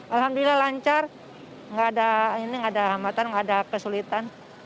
alhamdulillah lancar gak ada hambatan gak ada kesulitan